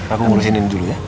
aku ngurusin ini dulu ya